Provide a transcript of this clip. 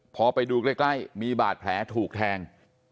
พอไปดูใกล้มีบาดแผลถูกแทง